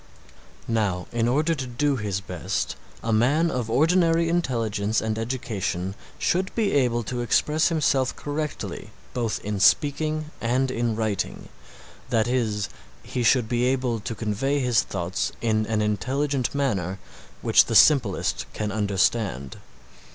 Now in order to do his best a man of ordinary intelligence and education should be able to express himself correctly both in speaking and writing, that is, he should be able to convey his thoughts in an intelligent manner which the simplest can understand.